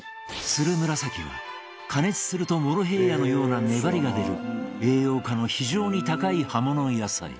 ツルムラサキは加熱するとモロヘイヤのような粘りが出る栄養価の非常に高い葉物野菜。